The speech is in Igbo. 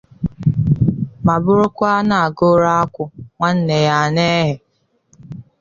ma bụrụkwa a na-agụrụ akwụ nwanne ya a na-eghe.